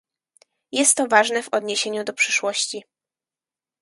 Jest to ważne w odniesieniu do przyszłości